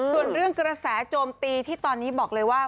ส่วนเรื่องกระแสโจมตีที่ตอนนี้บอกเลยว่า